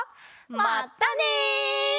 まったね！